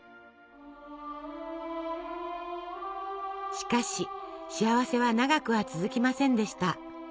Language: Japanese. しかし幸せは長くは続きませんでした。